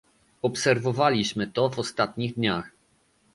Obserwowaliśmy to w ostatnich dniach